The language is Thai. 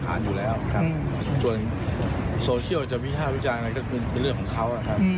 ค่ะส่วนโซเชียลจะวิจัยอะไรก็เป็นเรื่องของเค้า